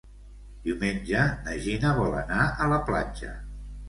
Diumenge na Gina vol anar a la platja.